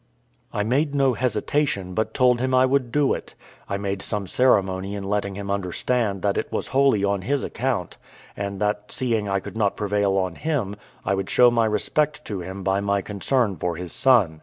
I made no hesitation, but told him I would do it. I made some ceremony in letting him understand that it was wholly on his account; and that, seeing I could not prevail on him, I would show my respect to him by my concern for his son.